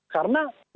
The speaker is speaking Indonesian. karena mengubahnya itu